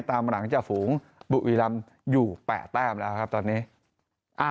ตามหลังจะฝูงบุ๋วิรัม์อยู่แปะแต้มแล้วครับตอนนี้อ่า